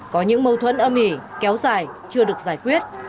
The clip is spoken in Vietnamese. có những mâu thuẫn âm ỉ kéo dài chưa được giải quyết